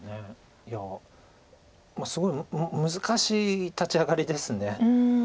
いやすごい難しい立ち上がりです。